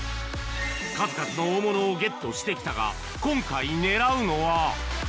数々の大物をゲットしてきたが、今回、狙うのは。